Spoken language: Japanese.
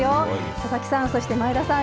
佐々木さん、そして前田さん